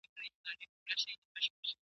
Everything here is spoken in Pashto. پکښي بند سول د مرغانو وزرونه ..